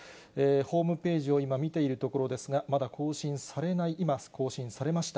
ホームページを今、見ているところですが、まだ更新されない、今更新されました。